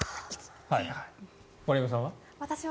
森山さんは？